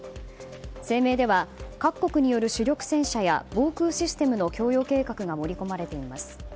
声明では各国による主力戦車や防空システムの供与計画が盛り込まれています。